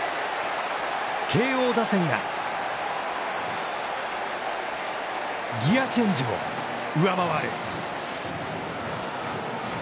慶応打線がギアチェンジを上回る。